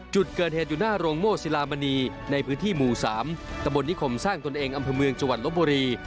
จุดเกิดเหตุอยู่หน้าโรงโม่ศิลามณีในพื้นที่หมู่๓ตะบลนิคมสร้างตนเองอำเภอเมืองจังหวัดลบบุรี